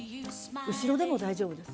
後ろでも大丈夫です。